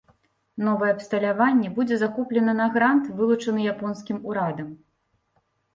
Новае абсталяванне будзе закупленае на грант, вылучаны японскім урадам.